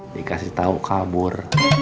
dikasih tau kabur